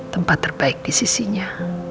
tempat terbaik di sisinya